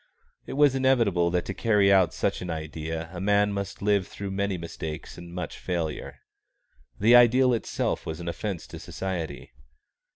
It was inevitable that to carry out such an idea a man must live through many mistakes and much failure. The ideal itself was an offence to society.